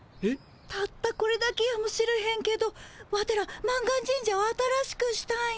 たったこれだけやもしれへんけどワテら満願神社を新しくしたんよ。